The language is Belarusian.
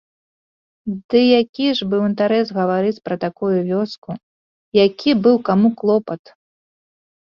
Дык які ж быў інтарэс гаварыць пра такую вёску, які быў каму клопат?!